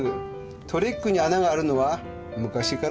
トリックに穴があるのは昔からです。